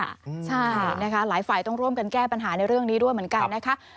ใช่นะคะหลายฝ่ายต้องร่วมกันแก้ปัญหาในเรื่องนี้ด้วยเหมือนกันนะคะ